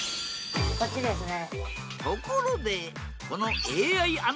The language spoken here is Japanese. こっちですね。